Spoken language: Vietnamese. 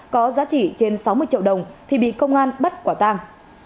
có giá trị trên sáu mươi triệu đồng thì bị công an bắt quả tang